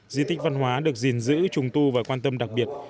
di tích văn hóa được gìn giữ trùng tu và quan tâm đặc biệt